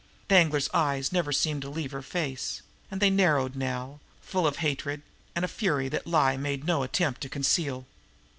Danglar's eyes never seemed to leave her face, and they narrowed now, full of hatred and a fury that lie made no attempt to conceal.